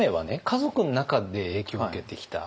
家族の中で影響を受けてきた。